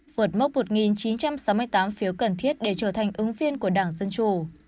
vượt mốc một chín trăm sáu mươi tám phiếu cần thiết để trở thành ứng viên của đảng dân chủ